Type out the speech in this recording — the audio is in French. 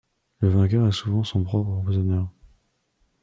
Le vainqueur est souvent son propre empoisonneur.